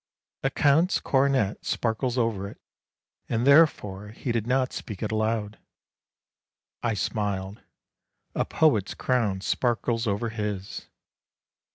A count's coronet sparkles over it, and therefore he did not speak it aloud. I smiled; a poet's crown sparkles over his!